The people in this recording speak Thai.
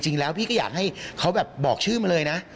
จริงแล้วพี่ก็อยากให้เขาแบบบอกชื่อมาเลยนะ